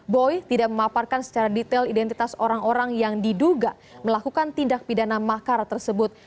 boy tidak memaparkan secara detail identitas orang orang yang diduga melakukan tindak pidana makar tersebut